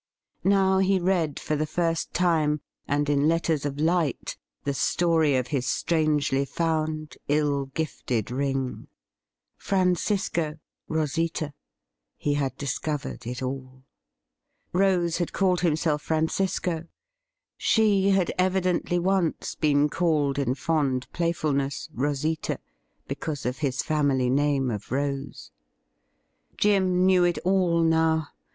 Now he read for the first time, and in letters of light, the story of his strangely found, ill gifted ring. Francisco — Rosita — he had discovered it all ! Rose had called himself Francisco ; she had evidently once been called in fond playfulness Rosita, because of his family name of Rose. Jim knew it all now.